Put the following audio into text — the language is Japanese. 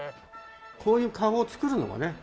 こういう顔を作るのもね